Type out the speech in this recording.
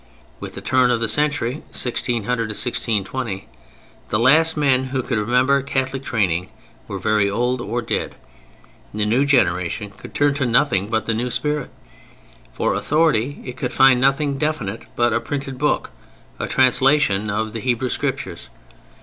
With the turn of the century (1600 1620) the last men who could remember Catholic training were very old or dead. The new generation could turn to nothing but the new spirit. For authority it could find nothing definite but a printed book: a translation of the Hebrew Scriptures.